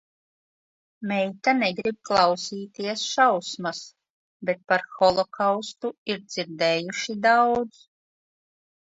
Meita negrib klausīties šausmas, bet par holokaustu ir dzirdējuši daudz.